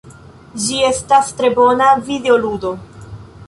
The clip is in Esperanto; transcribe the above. Ĝi estas tre bona videoludo.